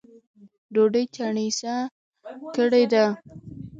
ډوډۍ چڼېسه کړې ده